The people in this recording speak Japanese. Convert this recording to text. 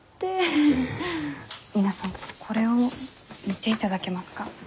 皆さんこれを見ていただけますか？